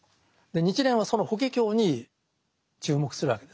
日蓮はその「法華経」に注目するわけですね。